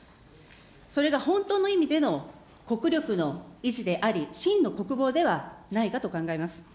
それが本当の意味での国力の維持であり、真の国防ではないかと考えます。